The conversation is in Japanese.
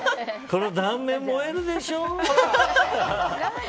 この断面、萌えるでしょ。